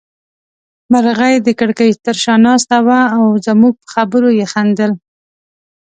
مرغۍ د کړکۍ تر شا ناسته وه او زموږ په خبرو يې خندل.